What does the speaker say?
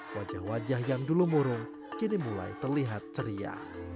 wajah wajah yang dulu murung kini mulai terlihat ceria